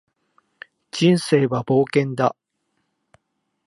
人生は冒険だ